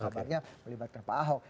kabarnya melibatkan pak ahok